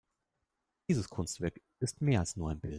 Dieses Kunstwerk ist mehr als nur ein Bild.